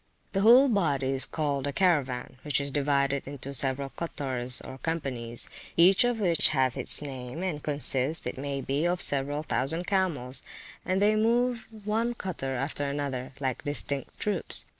[FN#43] The whole body is called a Caravan, which is divided into several cottors, or companies, each of which hath its name, and consists, it may be, of several thousand camels; and they move one cottor after another, like distinct troops.